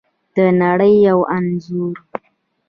د نړۍ یو انځور